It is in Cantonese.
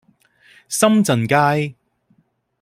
深圳街